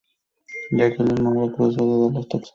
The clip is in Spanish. Jacqueline Moore creció en Dallas, Texas.